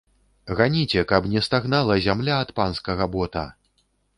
Ганіце, каб не стагнала зямля ад панскага бота.